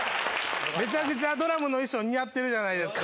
めちゃくちゃドラムの衣装似合ってるじゃないですか